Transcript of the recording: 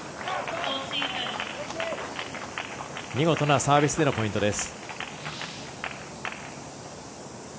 見事なサービスでのポイントです。